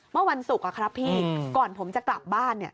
เมื่อวันศุกร์ครับพี่ก่อนผมจะกลับบ้าน